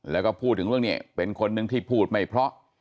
แล้วก็พูดถึงเรื่องนี้เป็นคนหนึ่งที่พูดไม่เพราะ